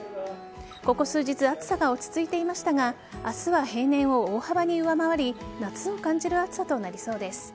ここ数日暑さが落ち着いていましたが明日は平年を大幅に上回り夏を感じる暑さとなりそうです。